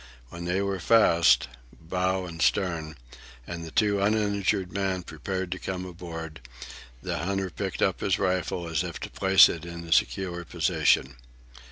When they were fast, bow and stern, and the two uninjured men prepared to come aboard, the hunter picked up his rifle as if to place it in a secure position.